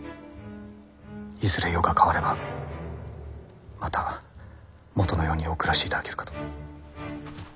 いずれ世が変わればまた元のようにお暮らしいただけるかと。